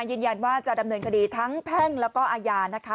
ยืนยันว่าจะดำเนินคดีทั้งแพ่งแล้วก็อาญานะคะ